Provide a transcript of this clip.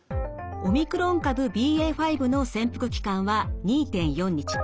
オミクロン株ＢＡ．５の潜伏期間は２．４日。